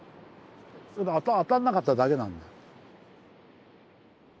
当たらなかっただけなんだよ。